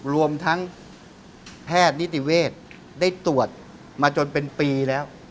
รวมทั้งแพทย์นิติเวศได้ตรวจมาจนเป็นปีแล้ว